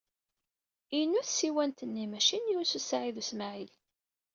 Inu tsiwant-nni, maci n Yunes u Saɛid u Smaɛil.